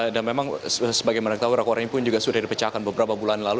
dan memang sebagaimana kita tahu rekor ini pun juga sudah dipecahkan beberapa bulan lalu